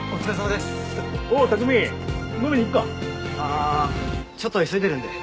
あちょっと急いでるんで。